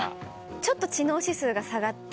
ちょっと知能指数が下がって。